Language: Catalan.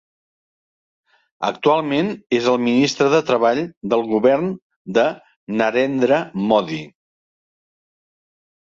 Actualment és el ministre de Treball del govern de Narendra Modi.